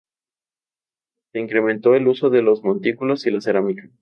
Se incrementó el uso de los montículos y la cerámica.